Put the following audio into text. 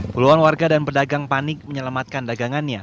puluhan warga dan pedagang panik menyelamatkan dagangannya